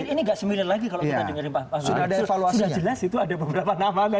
ini nggak sembilan lagi kalau kita dengerin pak